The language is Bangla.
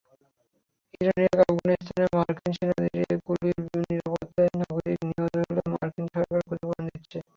এমনকি ইরাক-আফগানিস্তানে মার্কিন সেনাদের গুলিতে নিরপরাধ নাগরিক নিহত হলে মার্কিন সরকার ক্ষতিপূরণ দিচ্ছে।